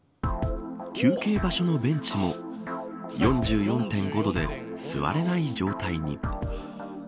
休憩場所のベンチも４４．５度で座れない状態に。